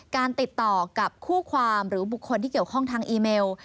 การติดต่อกับคู่ความหรือบุคคลที่เกี่ยวข้องทางอีเมล